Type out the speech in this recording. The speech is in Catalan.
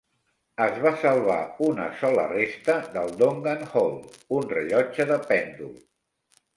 Es va salvar una sola resta del Dongan Hall, un rellotge de pèndol.